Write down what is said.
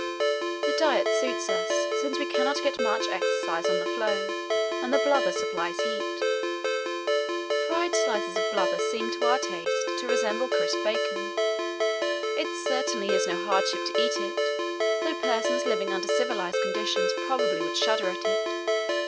The diet suits us, since we cannot get much exercise on the floe and the blubber supplies heat. Fried slices of blubber seem to our taste to resemble crisp bacon. It certainly is no hardship to eat it, though persons living under civilized conditions probably would shudder at it.